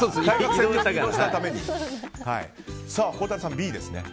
孝太郎さん、Ｂですね。